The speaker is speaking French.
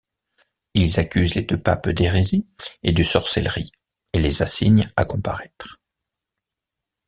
Ils accusent les deux papes d'hérésie et de sorcellerie et les assignent à comparaître.